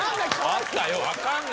あったよ。